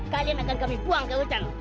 kalian akan kami buang ke hutan